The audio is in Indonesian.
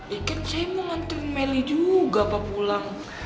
ya kan saya mau ngantun melly juga pak pulang